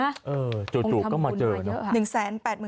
เออจู่ก็มาเจอเนอะ